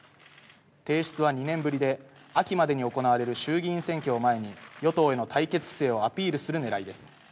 提出は２年ぶりで秋までに行われる衆議院選挙を前に与党への対決姿勢をアピールするねらいです。